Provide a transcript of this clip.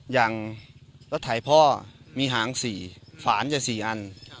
อย่างรถถ่ายพ่อมีหางสี่ฝานจะสี่อัน